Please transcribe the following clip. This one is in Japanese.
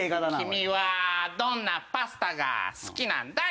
「君はどんなパスタが好きなんだい？